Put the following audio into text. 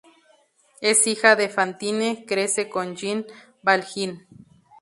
Es hija de Fantine; crece con Jean Valjean.